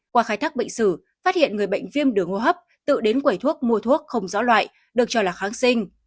qua khai thác bệnh sử phát hiện người bệnh viêm đường hô hấp tự đến quầy thuốc mua thuốc không rõ loại được cho là kháng sinh